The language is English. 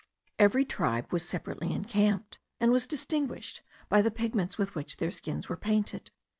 Every tribe was separately encamped, and was distinguished by the pigments with which their skins were painted.